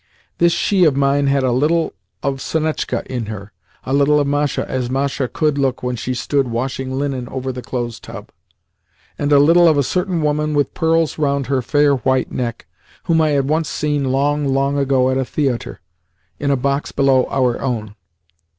This she of mine had a little of Sonetchka in her, a little of Masha as Masha could look when she stood washing linen over the clothes tub, and a little of a certain woman with pearls round her fair white neck whom I had once seen long, long ago at a theatre, in a box below our own.